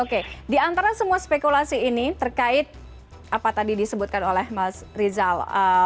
oke di antara semua spekulasi ini terkait apa tadi disebutkan oleh mas rizal